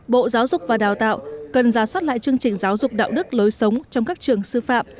bộ giáo dục và đào tạo cần ra soát lại chương trình giáo dục đạo đức lối sống trong các trường sư phạm